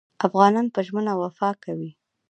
افغانان په ژمنه وفا کوي.